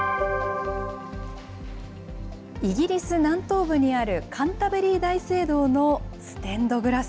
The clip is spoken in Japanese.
イギリス南東部にあるカンタベリー大聖堂のステンドグラス。